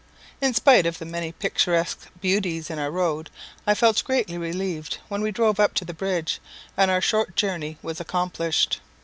In spite of the many picturesque beauties in our road, I felt greatly relieved when we drove up to the bridge, and our short journey was accomplished.